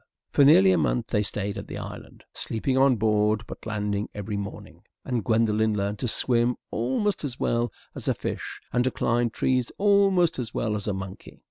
For nearly a month they stayed at the island, sleeping on board, but landing every morning; and Gwendolen learned to swim almost as well as a fish and to climb trees almost as well as a monkey.